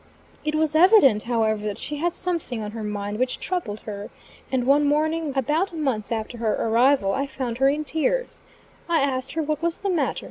It was evident, however, that she had something on her mind which troubled her, and one morning, about a month after her arrival, I found her in tears. I asked her what was the matter?